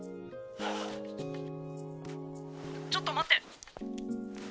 「ちょっと待って」